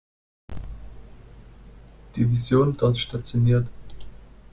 Division dort stationiert.